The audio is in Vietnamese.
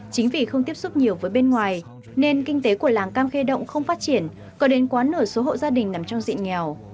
chính vì không tiếp xúc nhiều với bên ngoài nên kinh tế của làng cam khe động không phát triển có đến quá nửa số hộ gia đình nằm trong diện nghèo